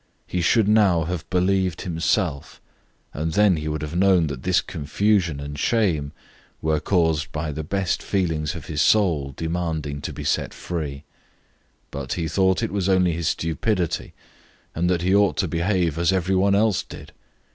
He should now have believed himself, and then he would have known that this confusion and shame were caused by the best feelings of his soul demanding to be set free; but he thought it was only his stupidity and that he ought to behave as every one else did.